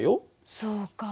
そうか。